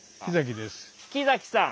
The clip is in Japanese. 木崎さん。